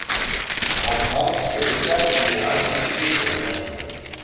En France, c'est l'État qui a accouché de la Nation.